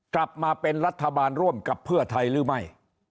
กลับมาเป็นรัฐบาลร่วมกับเพื่อไทยหรือไม่